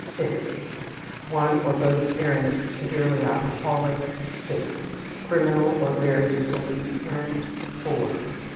6 One or both parents severely alcoholic. ........... .6 Criminal or very dissolute parent .....